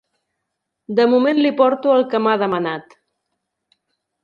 De moment li porto el que m'ha demanat.